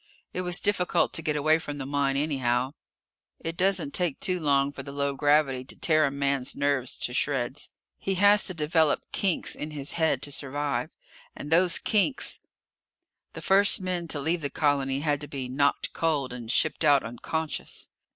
It was difficult to get away from the mine, anyhow. It doesn't take too long for the low gravity to tear a man's nerves to shreds. He has to develop kinks in his head to survive. And those kinks The first men to leave the colony had to be knocked cold and shipped out unconscious.